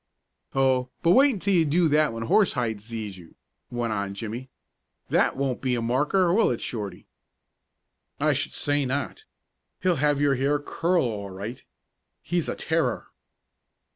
"Oh, but wait until you do that when Horsehide sees you," went on Jimmie. "That won't be a marker, will it, Shorty?" "I should say not. He'll make your hair curl all right. He's a terror."